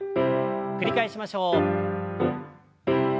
繰り返しましょう。